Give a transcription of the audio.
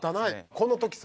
この時さ